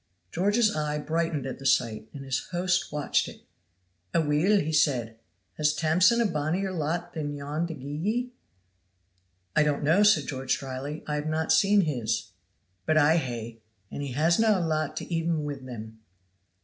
George's eye brightened at the sight and his host watched it. "Aweel," said he, "has Tamson a bonnier lot than yon to gie ye?" "I don't know," said George dryly. "I have not seen his." "But I hae and he hasna a lot to even wi' them."